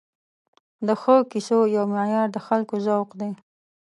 د ښو کیسو یو معیار د خلکو ذوق دی.